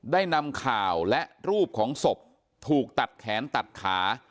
ได้นำข่าวและรูปของศพถูกตัดแขนตัดขา